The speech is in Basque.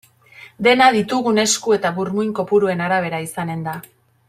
Dena ditugun esku eta burmuin kopuruen arabera izanen da.